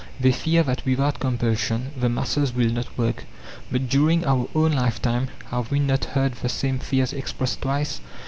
They fear that without compulsion the masses will not work. But during our own lifetime, have we not heard the same fears expressed twice?